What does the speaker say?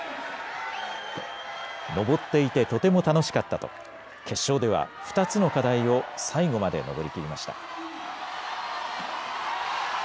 登っていてとても楽しかったと決勝では２つの課題を最後まで登りきりました。